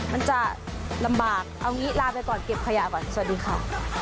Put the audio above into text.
มันจะลำบากเอางี้ลาไปก่อนเก็บขยะก่อนสวัสดีค่ะ